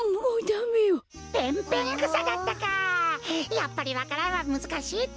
やっぱりわか蘭はむずかしいってか。